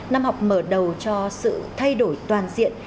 năm học mở đầu cho sự thay đổi toàn diện